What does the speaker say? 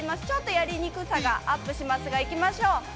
ちょっとやりにくさがアップしますが、行きましょう。